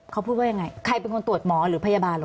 เขาพูดว่ายังไงใครเป็นคนตรวจหมอหรือพยาบาลเหรอ